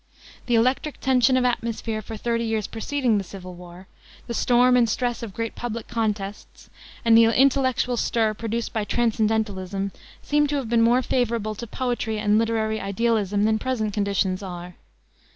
The electric tension of the atmosphere for thirty years preceding the civil war, the storm and stress of great public contests, and the intellectual stir produced by transcendentalism seem to have been more favorable to poetry and literary idealism than present conditions are.